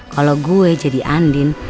kalau gue jadi andin